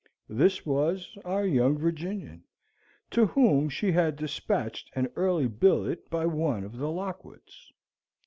This was our young Virginian, to whom she had despatched an early billet by one of the Lockwoods.